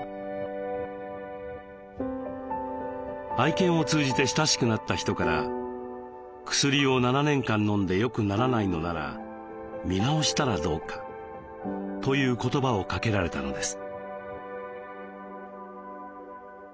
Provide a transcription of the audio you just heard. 愛犬を通じて親しくなった人から「薬を７年間飲んでよくならないのなら見直したらどうか」という言葉をかけられたのです。